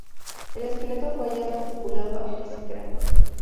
El esqueleto fue hallado articulado, aunque sin cráneo.